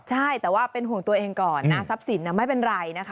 ใช่แต่ว่าเป็นห่วงตัวเองก่อนนะทรัพย์สินไม่เป็นไรนะคะ